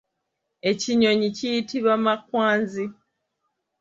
Ekinyonyi kiyitibwa makwanzi.